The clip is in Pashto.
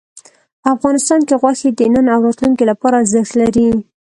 افغانستان کې غوښې د نن او راتلونکي لپاره ارزښت لري.